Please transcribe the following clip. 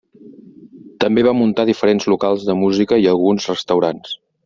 També va muntar diferents locals de música i alguns restaurants.